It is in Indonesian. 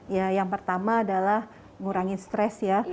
ya yang pertama adalah ngurangin stress ya